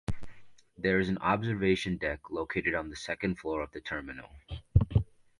There is an observation deck located on the second floor of the terminal.